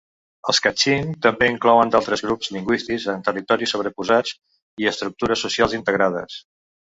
Els Katxin també inclouen d'altres grups lingüístics amb territoris sobreposats i estructures socials integrades.